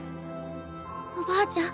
おばあちゃん